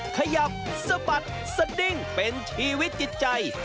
ขยับสะบัดสดิ้งเป็นชีวิตจิตใจ